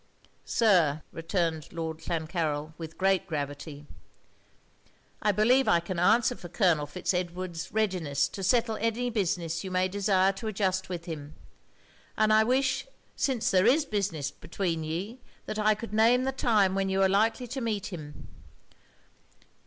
'Sir,' returned Lord Clancarryl with great gravity, 'I believe I can answer for Colonel Fitz Edward's readiness to settle any business you may desire to adjust with him; and I wish, since there is business between ye, that I could name the time when you are likely to meet him.